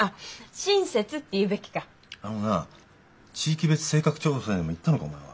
あのな地域別性格調査にでも行ったのかお前は。